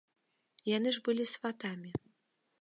Яны ж былі сватамі.